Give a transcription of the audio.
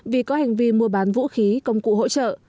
vì có hành vi mua bán vũ khí công cụ hỗ trợ